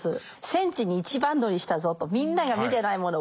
戦地に一番乗りしたぞとみんなが見てないもの